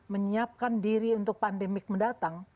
menyiapkan diri untuk pandemik mendatang